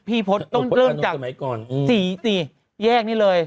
พี่พลดอาบเริ่มจากสี่ยกนี้เลย